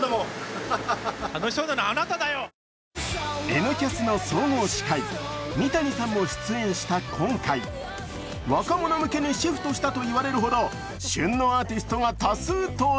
「Ｎキャス」の総合司会三谷さんも出演した今回、若者向けにシフトしたと言われるほど旬のアーティストが多数登場。